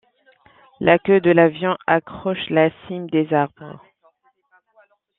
La queue de l'avion accroche la cime des arbres.